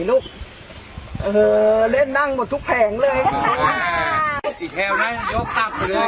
เมื่อเวลามันกลายเป็นเวลาที่สุดท้าย